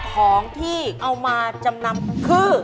ของที่เอามาจำนำคือ